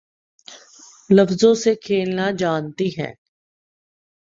لفظوں سے کھیلنا جانتی ہے